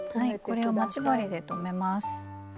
ここを待ち針で留めます。